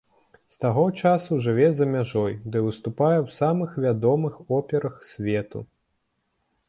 З таго часу жыве за мяжой ды выступае ў самых вядомых операх свету.